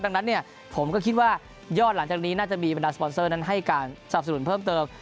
ดังนั้นผมก็คิดว่ายอดหลังจากนี้น่าจะมีบรรดาสปอนเซอร์นั้นให้การสนับสนุนเพิ่มเติม